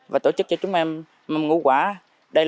và tổ chức cho chúng em mâm ngũ quả